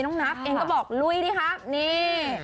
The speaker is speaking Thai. นักเองก็บอกลุยดิครับนี่